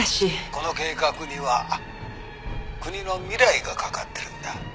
「この計画には国の未来がかかってるんだ」